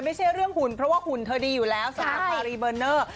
ไม่ใช่เรื่องหุ่นเพราะว่าหุ่นเธอดีอยู่แล้วสำหรับมารีเบอร์เนอร์